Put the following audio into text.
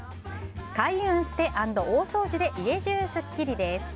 開運捨て＆大掃除で家じゅうすっきり！です。